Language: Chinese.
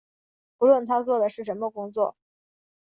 不论他做的是什么工作